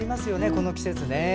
この季節ね。